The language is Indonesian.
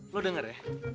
lo denger ya